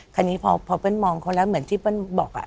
คนนี้พอเพิ่นมองเค้าแล้วเหมือนที่เพิ่นบอกอ่ะ